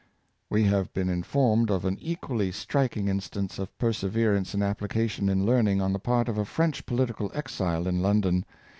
" We have been informed of an equally striking in stance of perseverance and application in learning on the part of a French political exile in London.